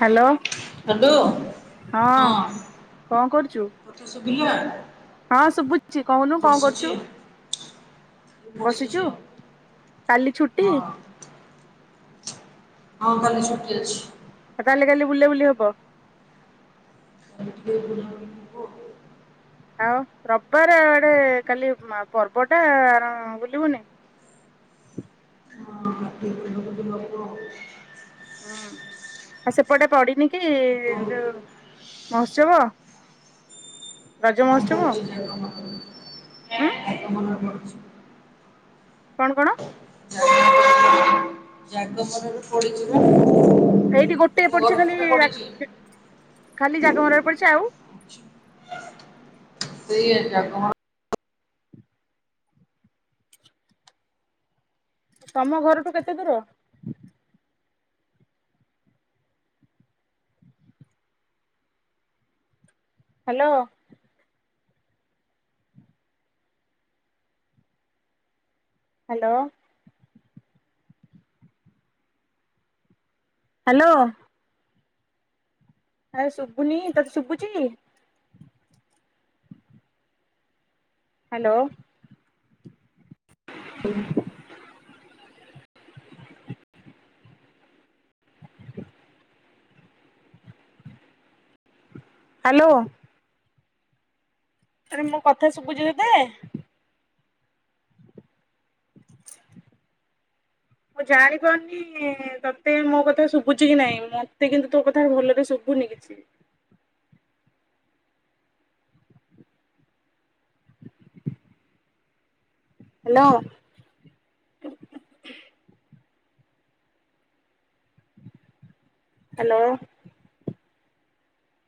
Hello hello ହଁ କଣ କରୁଛୁ ତତେ ଶୁଭିଲା ହଁ ଶୁଭୁଛି କହୁନୁ କଣ ବସିଛି କରୁଛୁ? ଆଉ ବସିଛୁ ବସିଛି କାଲି ଆଉ ଛୁଟି ହଁ ହଁ କାଲି ଛୁଟି ଅଛି। ତାହଲେ କାଲି ବୁଲା ବୁଲି ହବ। ହେଇଠେ ବୁଲା ବୁଲି ଆଉ ରବିବାର ଆଡେ କାଲି ଆ ପର୍ବଟା ବୁଲିବୁନି ହଁ [unintelligible] ଉଁ ଆ ସେପଟେ ପଡି଼ନି କି ଯୋଉ କଣ ମହୋତ୍ସବ? ରଜ ହଁ ମହୋତ୍ସବ ପଡ଼ିଚି ଜାଗମରାରେ ଉଁ ଜାଗମରା ପଡ଼ିଚି। କଣ କଣ? ଜାଗବରରେ ପଡି଼ଚି ପା। ଏଇଠି ଗୋଟେ ପଡ଼ିଚି ଖାଲି ଆଃ ଏ ଖାଲି ଜାଗମରାରେ ପଡ଼ିଚି ଆଉ? ସେଇଆ ଜାଗମ ତମ ଘରଠୁ କେତେ ଦୂର? ହାଲୋ। ହାଲୋ। ହାଲୋ। ଆଏ ଶୁଭୁନି ତତେ ଶୁବୁଚି? ହାଲୋ। ଉଁ ହାଲୋ। ଆରେ ମୋ କଥା ଶୁବୁଚି ତତେ? ମୁଁ ଜାଣିପାରୁନି ତତେ ମୋ କଥା ଶୁଭୁଚି କି ନାଇଁ ମତେ କିନ୍ତୁ ତୋ କଥା ଭଲରେ ଶୁଭୁନି କିଛି। ହାଲୋ। ହାଲୋ।